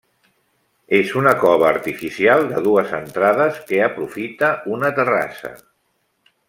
És una cova artificial de dues entrades que aprofita una terrassa.